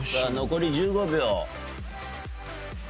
残り１５秒。